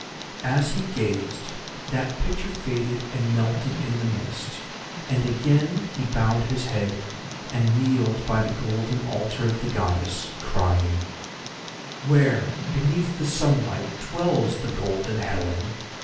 As he gazed, that picture faded and melted in the mist, and again he bowed his head, and kneeled by the golden altar of the Goddess, crying: "Where beneath the sunlight dwells the golden Helen?"